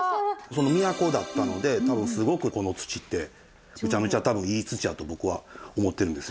都だったので多分すごくこの土ってめちゃめちゃ多分いい土やと僕は思ってるんです。